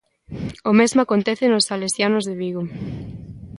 O mesmo acontece nos Salesianos de Vigo.